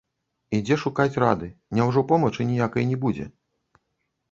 І дзе шукаць рады, няўжо помачы ніякай не будзе?